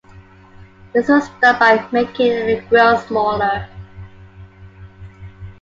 This was done by making the grille smaller.